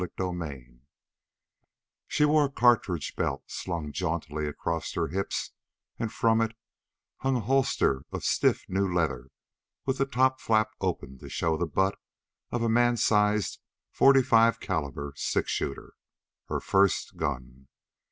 CHAPTER 13 She wore a cartridge belt slung jauntily across her hips and from it hung a holster of stiff new leather with the top flap open to show the butt of a man sized forty five caliber six shooter her first gun.